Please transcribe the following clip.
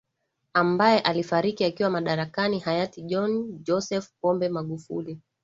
ambaye alifariki akiwa madarakani hayati John Joseph Pombe Magufuli